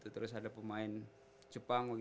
terus ada pemain jepang